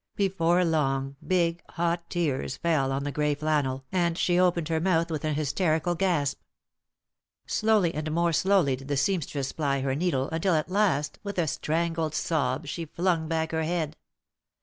Before long, big, hot tears fell on the grey flannel, and she opened her mouth with an hysterical gasp. Slowly and more slowly did the seamstress ply her needle, until at last, with a strangled sob, she flung back her head.